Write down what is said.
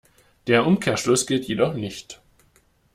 Der Umkehrschluss gilt jedoch nicht.